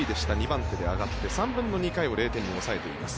２番手で上がって３分の２回を０点で抑えています。